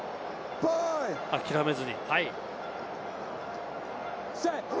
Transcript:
諦めずに。